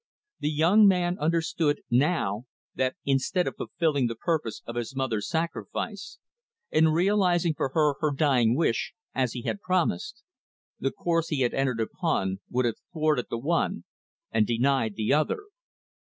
The young man understood, now, that, instead of fulfilling the purpose of his mother's sacrifice, and realizing for her her dying wish, as he had promised; the course he had entered upon would have thwarted the one and denied the other.